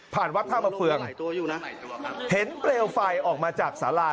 วัดท่ามะเฟืองเห็นเปลวไฟออกมาจากสารา